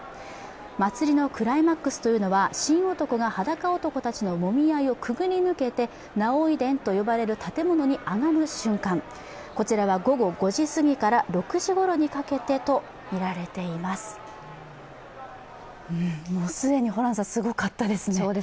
祭りのクライマックスは神男がはだか男たちのもみ合いをくぐり抜けて儺追殿と呼ばれる建物に上がる瞬間、こちらは午後５時過ぎから６時ごろにかけてとみられています。